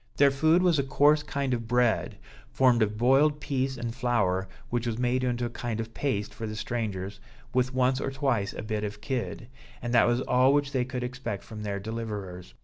Their food was a coarse kind of bread, formed of boiled pease and flour, which was made into a kind of paste for the strangers, with once or twice a bit of kid; and that was all which they could expect from their deliverers.